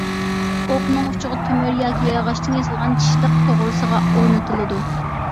ئوقنىڭ ئۇچىغا تۆمۈر ياكى ياغاچتىن ياسالغان چىشلىق توغرىسىغا ئورنىتىلىدۇ.